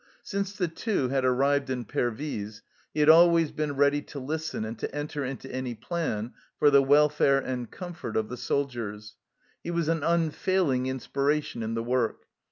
Since the Two had arrived in Pervyse, he had always been ready to listen and to enter into any plan for the welfare and comfort of the soldiers. He was an unfailing inspiration in the work.